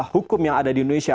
hukum yang ada di indonesia